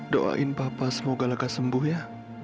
doain kappa semoga lo gak sembuh ya